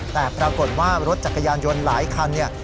แต่ปรากฏว่ารถจักรยานยนต์หลายคันเนี่ย